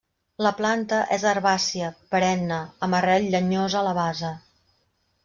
La planta és herbàcia, perenne, amb arrel llenyosa a la base.